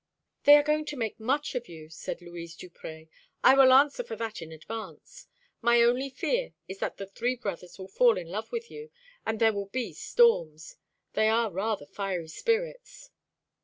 "They are going to make much of you," said Louise Duprez, "I will answer for that in advance. My only fear is that the three brothers will all fall in love with you, and then there will be storms. They are rather fiery spirits."